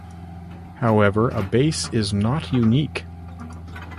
However, a base is not unique.